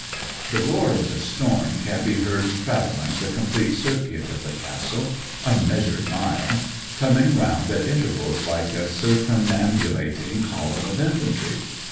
The roar of the storm can be heard travelling the complete circuit of the castle a measured mile coming round at intervals like a circumambulating column of infantry.